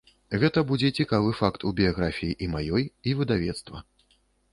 Гэта будзе цікавы факт у біяграфіі і маёй, і выдавецтва.